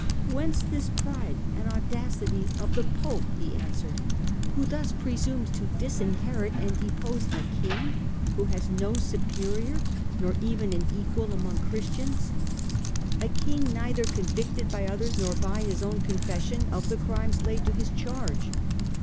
" Whence this pride and audacity of the Pope," he 172 STUPOR MUNDI answered, " who thus presumes to disinherit and depose a King who has no superior, nor even an equal, among Christians ? a King neither convicted by others, nor by his own confession, of the crimes laid to his charge.